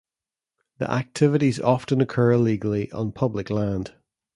The activities often occur illegally on public land.